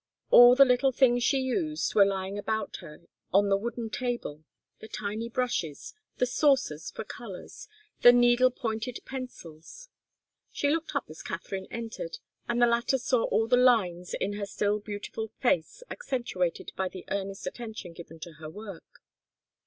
All the little things she used were lying about her on the wooden table, the tiny brushes, the saucers for colours, the needle pointed pencils. She looked up as Katharine entered, and the latter saw all the lines in the still beautiful face accentuated by the earnest attention given to the work.